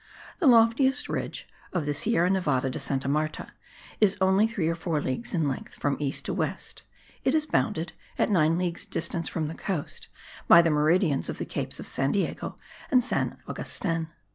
The loftiest ridge of the Sierra Nevada de Santa Marta is only three or four leagues in length from east to west; it is bounded (at nine leagues distance from the coast) by the meridians of the capes of San Diego and San Augustin.